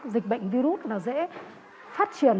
dịch bệnh virus dễ phát triển